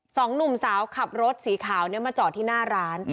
สองหนุ่มสาวขับรถสีขาวเนี่ยมาจอดที่หน้าร้าน